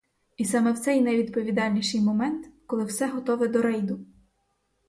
І саме в цей найвідповідальніший момент, коли все готове до рейду.